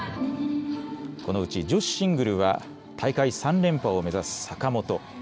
このうち女子シングルは、大会３連覇を目指す坂本。